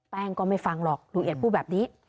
ก็ไม่ฟังหรอกลุงเอียดพูดแบบนี้